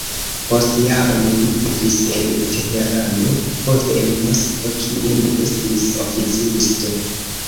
Post jaroj li vivis en Teherano, poste en Moskvo, kie li estis oficisto.